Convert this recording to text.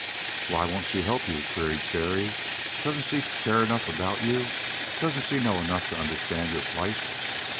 "Why won't she help you?" queried Cherry. "Doesn't she care enough about you? Doesn't she know enough to understand your plight?"